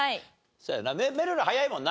そうだなめるる早いもんな。